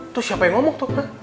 tuh siapa yang ngomong tuh tuh